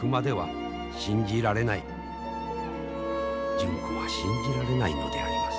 純子は信じられないのであります。